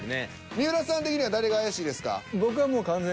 三浦さん的には誰が怪しいですか？